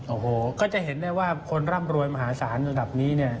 โอ้โหก็จะเห็นได้ว่าคนร่ำรวยมหาศาลระดับนี้เนี่ย